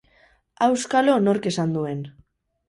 Auskalo nork esan duen!